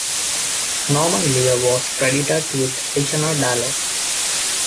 Norman Lear was credited with additional dialogue.